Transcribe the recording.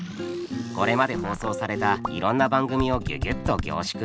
これまで放送されたいろんな番組をギュギュッと凝縮。